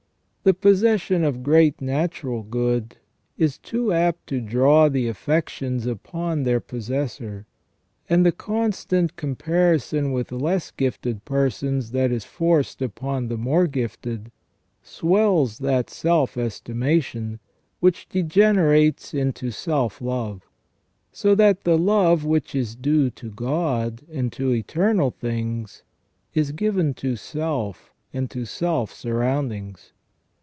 The possession of great natural good is too apt to draw the affections upon their possessor ; and the con stant comparison with less gifted persons that is forced upon the more gifted, swells that self estimation, which degenerates into self love ; so that the love which is due to God and to eternal things is given to self and to self surroundings.